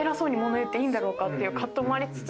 ていう葛藤もありつつ。